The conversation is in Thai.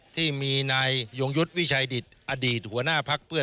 ที่มีที่มีที่มีในที่มีใน